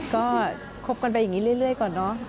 ก็คบกันไปอย่างนี้เรื่อยก่อนเนอะ